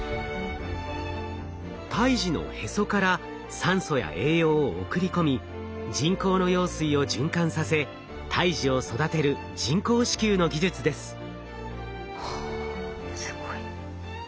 胎児のヘソから酸素や栄養を送り込み人工の羊水を循環させ胎児を育てる人工子宮の技術です。